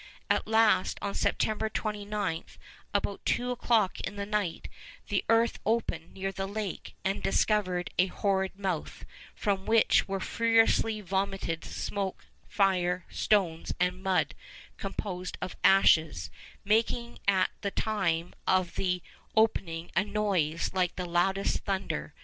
At last, on September 29, about two o'clock in the night, the earth opened near the lake, and discovered a horrid mouth, from which were furiously vomited smoke, fire, stones, and mud composed of ashes, making at the time of the opening a noise like the loudest thunder.